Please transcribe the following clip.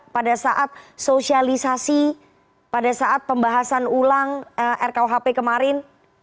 pada saat sosialisasi pada saat pembahasan ulang rkuhp kemarin